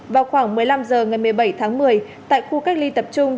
vào khoảng một mươi năm h ngày một mươi bảy tháng một mươi tại khu cách ly tập trung